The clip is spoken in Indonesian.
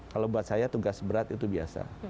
kalau buat saya tugas berat itu biasa